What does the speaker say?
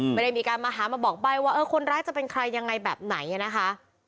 ไม่ได้มีการมาหามาบอกใบว่าเออคนร้ายจะเป็นใครยังไงแบบไหนนะคะ